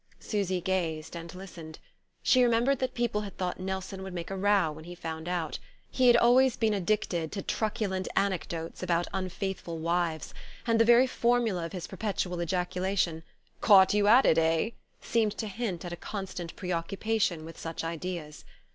Susy gazed and listened. She remembered that people had thought Nelson would make a row when he found out. He had always been addicted to truculent anecdotes about unfaithful wives, and the very formula of his perpetual ejaculation "Caught you at it, eh?" seemed to hint at a constant preoccupation with such ideas.